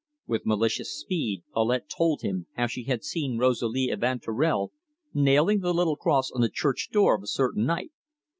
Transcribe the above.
With malicious speed Paulette told him how she had seen Rosalie Evanturel nailing the little cross on the church door of a certain night.